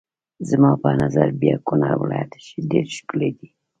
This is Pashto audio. زما په نظر بیا کونړ ولایت ډېر ښکلی دی.